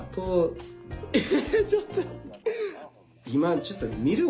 今ちょっと見る？